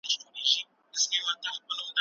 ايا دا زموږ مسووليت نه دی؟